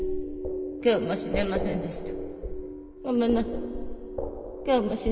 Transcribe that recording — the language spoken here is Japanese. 今日も死ねませんでした